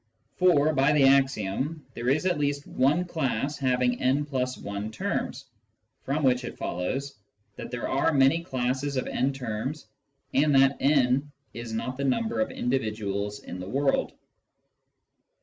For, by the axiom, there is at least one class having »+ 1 terms, from which it follows that there are many classes of n terms and that n is not the number of individuals in the world.